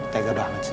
tega banget sih